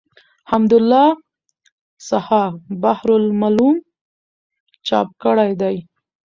حمدالله صحاف بحر الملوم چاپ کړی دﺉ.